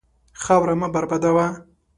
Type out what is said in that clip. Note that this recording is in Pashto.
خاوره مه بربادوه.